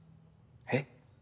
えっ？